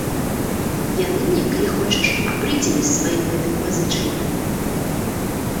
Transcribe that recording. Яны мне, калі хочаш, абрыдзелі з сваім гэтым пазычаннем.